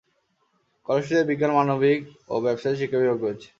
কলেজটিতে বিজ্ঞান, মানবিক ও ব্যাবসায় শিক্ষা বিভাগ রয়েছে।